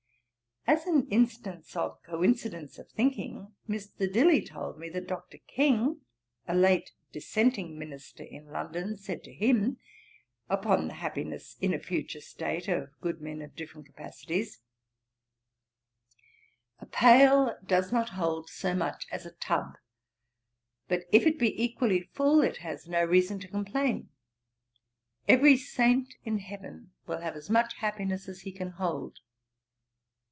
As an instance of coincidence of thinking, Mr. Dilly told me, that Dr. King, a late dissenting minister in London, said to him, upon the happiness in a future state of good men of different capacities, 'A pail does not hold so much as a tub; but, if it be equally full, it has no reason to complain. Every Saint in heaven will have as much happiness as he can hold.'